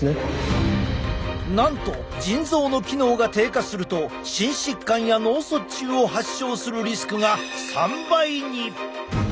なんと腎臓の機能が低下すると心疾患や脳卒中を発症するリスクが３倍に！